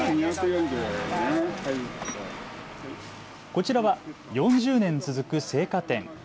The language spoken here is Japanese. こちらは４０年続く青果店。